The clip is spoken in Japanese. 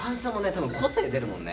多分個性出るもんね。